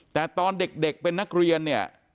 แต่ตอนเด็กเป็นนักเรียนเนี่ย